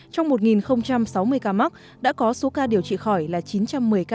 trong một sáu mươi ca mắc đã có số ca điều trị khỏi là chín trăm một mươi ca